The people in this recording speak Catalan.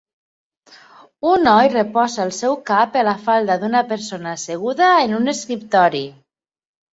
Un noi reposa el seu cap a la falda d'una persona asseguda en un escriptori